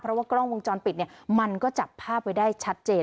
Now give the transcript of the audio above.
เพราะว่ากล้องวงจรปิดเนี่ยมันก็จับภาพไว้ได้ชัดเจน